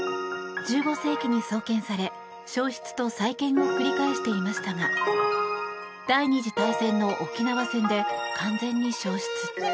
１５世紀に創建され焼失と再建を繰り返していましたが第２次大戦の沖縄戦で完全に焼失。